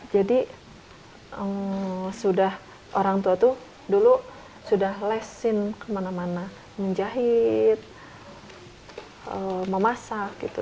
jadi orang tua tuh dulu sudah lesin kemana mana menjahit memasak gitu